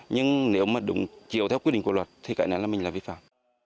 nhưng nếu mà đúng chiều theo quy định của luật thì cái này là mình là vi phạm